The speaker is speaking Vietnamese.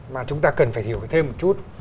mà chúng ta cần phải hiểu thêm một chút